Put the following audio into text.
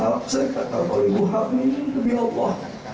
saya kata boleh bu haf ini lebih apa